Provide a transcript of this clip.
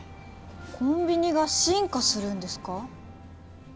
コンビニが進化するんですか？